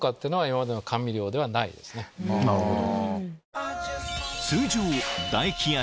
なるほど。